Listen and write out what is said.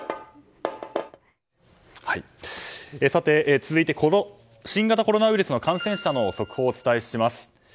続いて、新型コロナウイルスの感染者の速報をお伝えします。